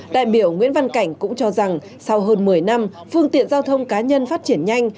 đại biểu nguyễn văn cảnh cũng cho rằng sau hơn một mươi năm phương tiện giao thông cá nhân phát triển nhanh